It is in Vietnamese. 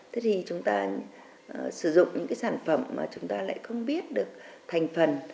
thế thì chúng ta sử dụng những cái sản phẩm mà chúng ta lại không biết được thành phần